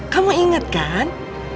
kamu ingat kan